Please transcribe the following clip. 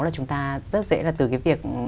là chúng ta rất dễ là từ cái việc